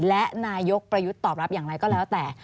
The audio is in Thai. และนายกประยุทธ์ตอบรับอย่างไรก็แล้วแต่